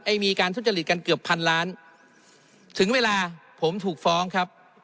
มีการทุจริตกันเกือบพันล้านถึงเวลาผมถูกฟ้องครับ